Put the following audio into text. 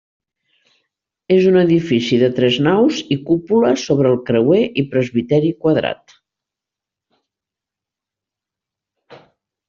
És un edifici de tres naus i cúpula sobre el creuer i presbiteri quadrat.